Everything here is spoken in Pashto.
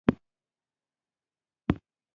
غول د هر بدن ځانګړی بوی لري.